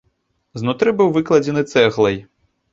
Знутры быў выкладзены цэглай.